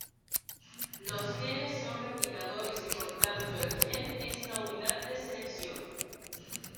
Los genes son replicadores y por tanto el gen es la unidad de selección.